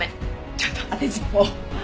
ちょっと当てずっぽう。